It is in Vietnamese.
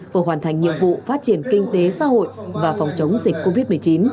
vừa hoàn thành nhiệm vụ phát triển kinh tế xã hội và phòng chống dịch covid một mươi chín